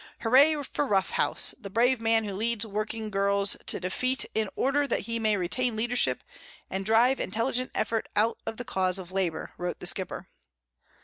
"Hurrah for Roughhouse, the brave man who leads working girls to defeat in order that he may retain leadership and drive intelligent effort out of the cause of labour," wrote The Skipper.